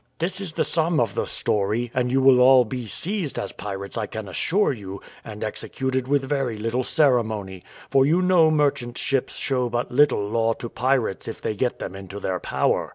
This is the sum of the story, and you will all be seized as pirates, I can assure you, and executed with very little ceremony; for you know merchant ships show but little law to pirates if they get them into their power."